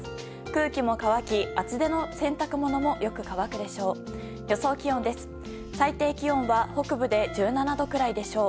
空気も乾き、厚手の洗濯物もよく乾くでしょう。